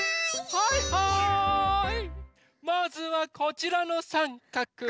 まずはこちらのさんかく！